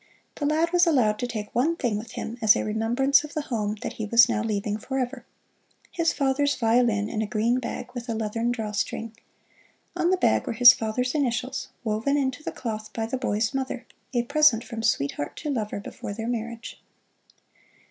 The lad was allowed to take one thing with him as a remembrance of the home that he was now leaving forever his father's violin in a green bag, with a leathern drawstring. On the bag were his father's initials, woven into the cloth by the boy's mother a present from sweetheart to lover before their marriage.